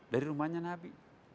dari rumahnya nabi